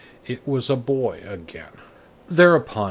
It was a boy again. Thereupon, M.